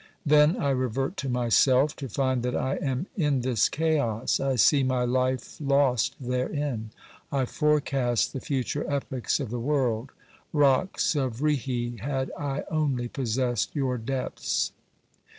Then I revert to myself, to find that I am in this chaos ; I see my life lost therein ; I forecast the future epochs of the world. Rocks of Righi, had I only possessed your depths